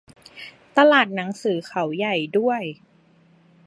ตลาดหนังสือเขาใหญ่ด้วย